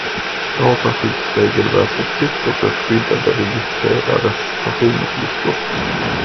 Dataskyddsregelverket syftar till att skydda de registrerades personuppgifter.